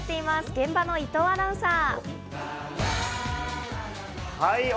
現場の伊藤アナウンサー。